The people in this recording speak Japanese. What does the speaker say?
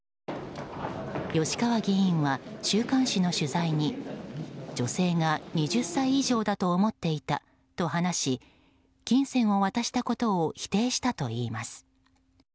吉川議員は、週刊誌の取材に女性が２０歳以上だと思っていたと話し金銭を渡したことを否定したといいます。